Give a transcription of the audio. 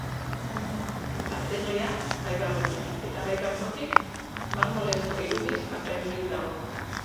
Partenoia, bai barrutik, eta bai kanpotik, marmolezko irudiz apaindurik dago.